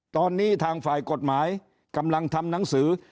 ตอนนี้ทางฝ่ายกฎหมายกำลังทำหนังสือ